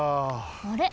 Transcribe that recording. あれ？